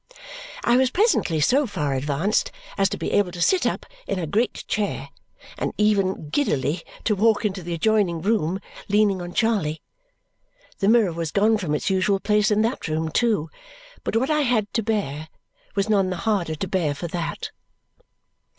I was presently so far advanced as to be able to sit up in a great chair and even giddily to walk into the adjoining room, leaning on Charley. The mirror was gone from its usual place in that room too, but what I had to bear was none the harder to bear for that.